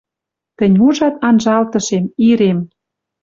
Тӹнь ужат анжалтышем, ирем